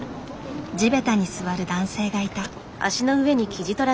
地べたに座る男性がいた。